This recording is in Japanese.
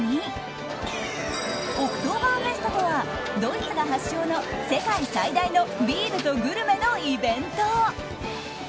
オクトーバーフェストとはドイツが発祥の世界最大のビールとグルメのイベント。